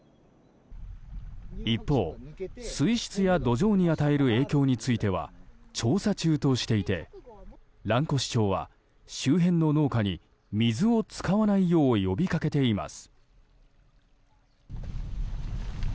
一方、水質や土壌に与える影響については調査中としていて蘭越町は周辺の農家に水を使わないよう呼びかけています。